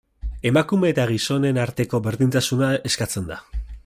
Emakume eta gizonen arteko berdintasuna eskatzen da.